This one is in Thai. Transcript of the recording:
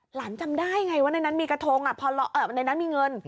หลานจำได้ไงว่าในนั้นมีเงิน